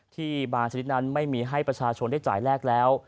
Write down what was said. บางชนิดนั้นไม่มีให้ประชาชนได้จ่ายแลกแล้ว